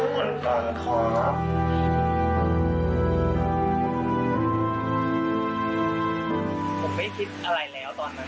ผมก็เลยมาคิดว่าหน้าตอนนั้น